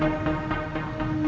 dan setelah itu